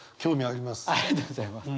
ありがとうございます。